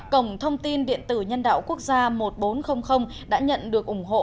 cổng thông tin điện tử nhân đạo quốc gia một nghìn bốn trăm linh đã nhận được ủng hộ